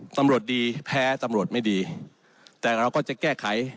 ตำรวจดีแพ้ตำรวจไม่ดีแต่เราก็จะแก้ไข